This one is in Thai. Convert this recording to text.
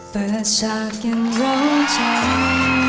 เปิดฉากยังร้องใจ